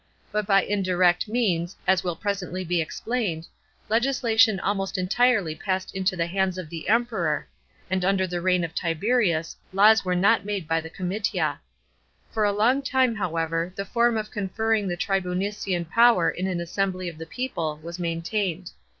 But by indirect means, as will presently be explained, legis lation almost entirely passed into the hands of the Emperor ; and after the reign of Tiberius laws were not made by the comitia. For a long time, however, the form of conferring the tribunician power in an assembly of the people, was maintained.